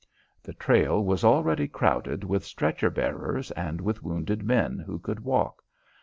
The trail was already crowded with stretcher bearers and with wounded men who could walk.